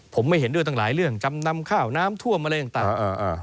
ผมไม่เห็นด้วยตั้งหลายเรื่องจำนำข้าวน้ำท่วมอะไรต่าง